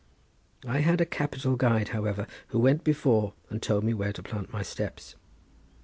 I had a capital guide, however, who went before and told me where to plant my steps.